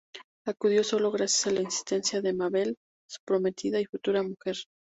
Acudió solo gracias a la insistencia de Mabel, su prometida y futura mujer.